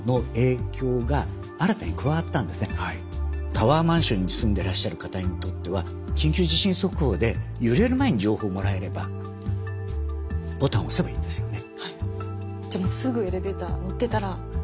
タワーマンションに住んでらっしゃる方にとっては緊急地震速報で揺れる前に情報をもらえればボタンを押せばいいんですよね。